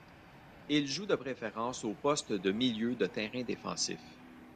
Il joue de préférence au poste de milieu de terrain défensif.